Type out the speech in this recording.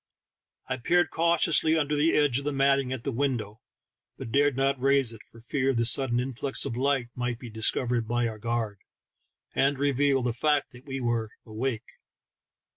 I peered cautiously under the edge of the matting at the window, but dared not raise it, for fear the sudden influx of light might be discovered by our guard, and reveal the fact that we were awake.